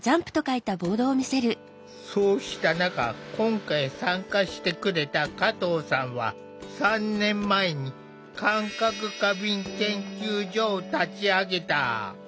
そうした中今回参加してくれた加藤さんは３年前に「感覚過敏研究所」を立ち上げた。